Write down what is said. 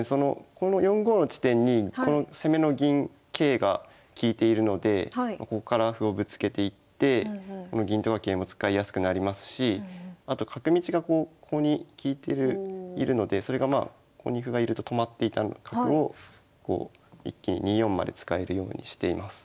この４五の地点にこの攻めの銀桂が利いているのでこっから歩をぶつけていってこの銀とか桂も使いやすくなりますしあと角道がここに利いているのでそれがまあここに歩がいると止まっていた角を一気に２四まで使えるようにしています。